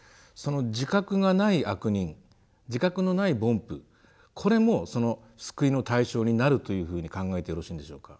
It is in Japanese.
自覚がない「悪人」自覚のない「凡夫」これもその救いの対象になるというふうに考えてよろしいんでしょうか？